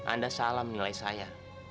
anda salah menilai saya